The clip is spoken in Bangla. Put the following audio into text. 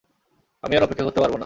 আমি আর অপেক্ষা করতে পারবো না!